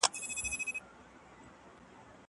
زه سړو ته خواړه ورکړي دي!!